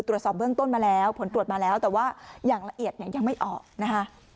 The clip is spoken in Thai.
ตรวจสอบเบื้องต้นมาแล้วผลตรวจมาแล้วแต่ว่าอย่างละเอียดเนี่ยยังไม่ออกนะคะ